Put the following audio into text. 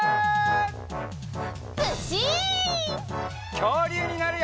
きょうりゅうになるよ！